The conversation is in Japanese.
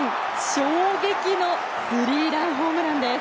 衝撃のスリーランホームランです。